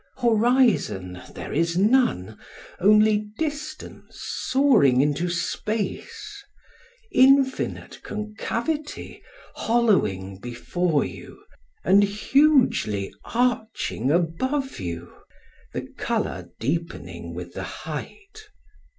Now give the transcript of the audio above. Horizon there is none: only distance soaring into space,—infinite concavity hollowing before you, and hugely arching above you,—the color deepening with the height.